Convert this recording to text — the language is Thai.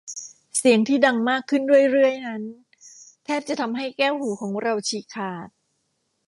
เสียงที่ดังมากขึ้นเรื่อย ๆ นั้นแทบจะทำให้แก้วหูของเราฉีกขาด